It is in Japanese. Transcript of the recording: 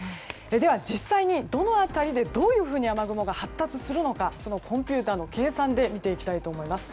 では実際に、どの辺りでどういうふうに雨雲が発達するのか、コンピューターの計算で見ていきたいと思います。